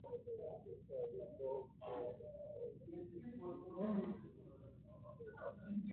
ndahechavéiko pe karréta, ni kavaju ári oikóva.